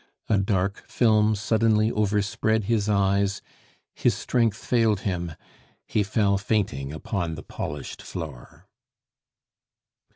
A dark film suddenly overspread his eyes; his strength failed him; he fell fainting upon the polished floor.